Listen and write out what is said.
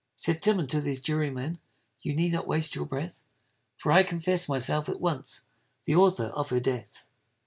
Said Tim unto those jurymen, You need not waste your breath, For I confess myself at once The author of her death.